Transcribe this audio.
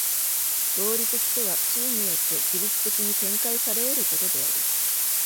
合理的とは思惟によって自律的に展開され得ることである。